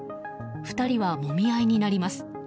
２人は、もみ合いになります。